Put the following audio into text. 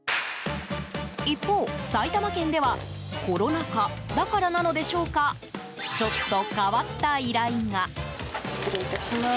一方、埼玉県ではコロナ禍だからなのでしょうかちょっと変わった依頼が。